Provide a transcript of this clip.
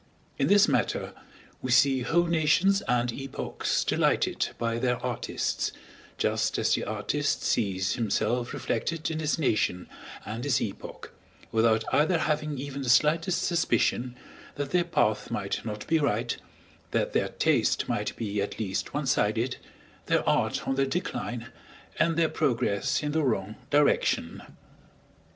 In this matter we see whole nations and epochs delighted by their artists, just as the artist sees himself reflected in his nation and his epoch, without either having even the slightest suspicion that their path might not be right, that their taste might be at least one sided, their art on the decline, and their progress in the wrong direction.